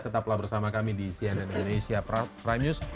tetaplah bersama kami di cnn indonesia prime news